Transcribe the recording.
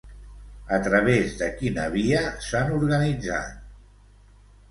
A través de quina via s'han organitzat?